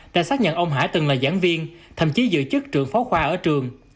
đã xác nhận ông hải từng là giảng viên thậm chí dự chức trường phó khoa ở trường